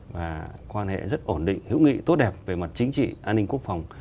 và quan hệ rất ổn định hữu nghị tốt đẹp về mặt chính trị an ninh quốc phòng